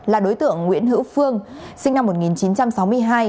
là đối tượng nguyễn hữu phương sinh năm một nghìn chín trăm sáu mươi hai